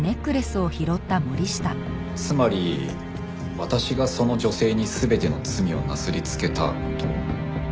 つまり私がその女性に全ての罪をなすりつけたと。